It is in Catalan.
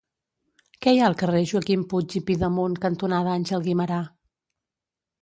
Què hi ha al carrer Joaquim Puig i Pidemunt cantonada Àngel Guimerà?